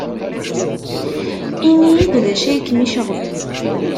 Ini-iyi-d d acu ay kem-iceɣben.